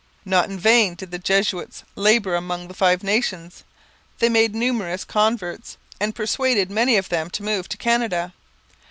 Not in vain did the Jesuits labour among the Five Nations. They made numerous converts, and persuaded many of them to move to Canada.